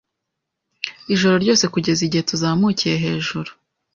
ijoro ryose kugeza igihe tuzamukiye hejuru